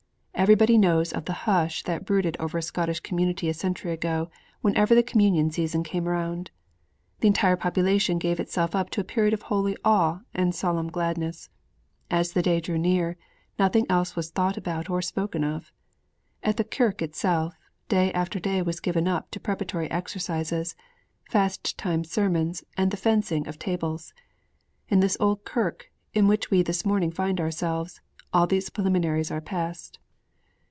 Everybody knows of the hush that brooded over a Scottish community a century ago whenever the Communion season came round. The entire population gave itself up to a period of holy awe and solemn gladness. As the day drew near, nothing else was thought about or spoken of. At the kirk itself, day after day was given up to preparatory exercises, fast time sermons and the fencing of tables. In this old kirk, in which we this morning find ourselves, all these preliminaries are past.